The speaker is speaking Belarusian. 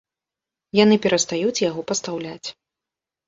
Яны перастаюць яго пастаўляць.